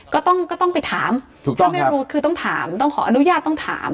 ก็ต้องก็ต้องไปถามก็ไม่รู้คือต้องถามต้องขออนุญาตต้องถาม